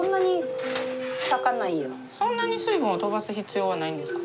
そんなに水分を飛ばす必要はないんですか？